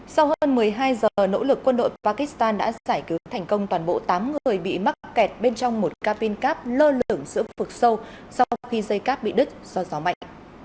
sau hơn một mươi hai giờ nỗ lực quân đội pakistan đã giải cứu thành công toàn bộ tám người bị mắc kẹt bên trong một cabin cab lơ lửng giữa phực sâu sau khi dây cab bị đứt do gió mạnh